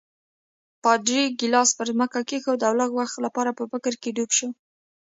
پادري ګیلاس پر ځمکه کېښود او لږ وخت لپاره په فکر کې ډوب شو.